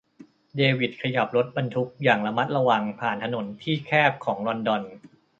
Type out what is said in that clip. เดวิดขยับรถบรรทุกอย่างระมัดระวังผ่านถนนที่แคบของลอนดอน